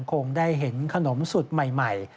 คงได้เห็นขนมสูตรใหม่